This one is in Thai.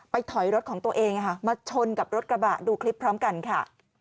ถอยรถของตัวเองมาชนกับรถกระบะดูคลิปพร้อมกันค่ะ